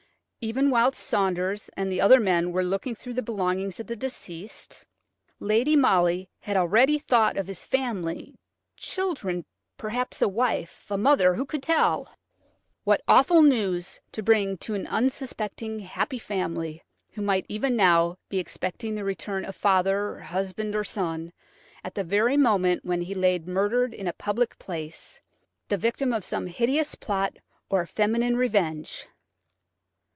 Even whilst Saunders and the other men were looking through the belongings of the deceased, Lady Molly had already thought of his family–children, perhaps a wife, a mother–who could tell? What awful news to bring to an unsuspecting, happy family, who might even now be expecting the return of father, husband, or son, at the very moment when he lay murdered in a public place, the victim of some hideous plot or feminine revenge!